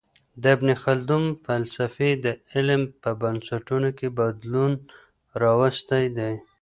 د ابن خلدون فلسفې د علم په بنسټونو کي بدلون راوستی دی.